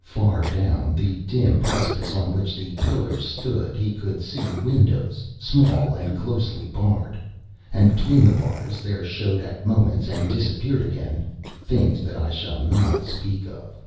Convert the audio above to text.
Far down the dim precipice on which the pillars stood he could see windows small and closely barred, and between the bars there showed at moments, and disappeared again, things that I shall not speak of.